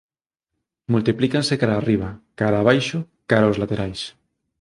Multiplícanse cara a arriba, cara a abaixo, cara aos laterais...